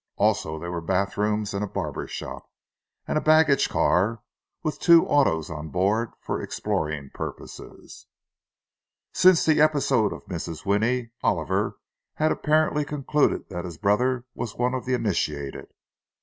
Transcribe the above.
Also there were bath rooms and a barber shop, and a baggage car with two autos on board for exploring purposes. Since the episode of Mrs. Winnie, Oliver had apparently concluded that his brother was one of the initiated.